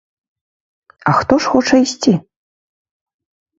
А хто ж хоча ісці?